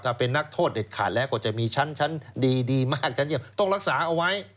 ถ้าเป็นนักโทษเด็ดขาดแล้วก็จะมีชั้นดีดีมากชั้นจะต้องรักษาเอาไว้